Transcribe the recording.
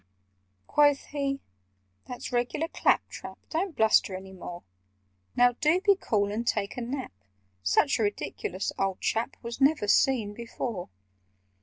Quoth he "That's regular clap trap: Don't bluster any more. Now do be cool and take a nap! Such a ridiculous old chap Was never seen before!